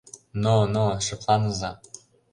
Но-но, шыпланыза!